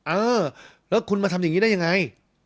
เออแล้วคุณมาทำอย่างนี้ได้ยังไง